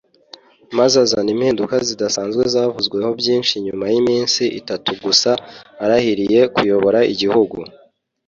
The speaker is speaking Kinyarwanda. maze azana impinduka zidasanzwe zavuzweho byinshi nyuma y’iminsi itatu gusa arahiriye kuyobora igihugu